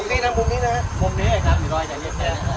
ตรงนี้นะครับอย่างนี้แค่